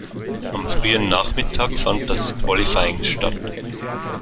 Am frühen Nachmittag fand das Qualifying statt.